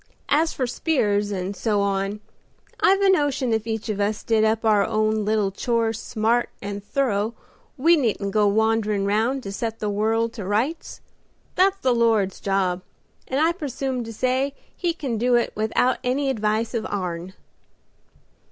As for 'spears' and so on, I've a notion if each of us did up our own little chores smart and thorough we needn't go wanderin' round to set the world to rights. That's the Lord's job, and I presume to say He can do it without any advice of ourn."